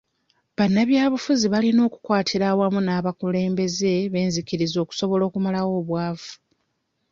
Bannabyabufuzi balina okukwatira awamu n'abakulembeze b'enzikiriza okusobola okumalawo obwavu.